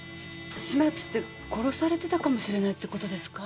始末って殺されてたかもしれないって事ですか？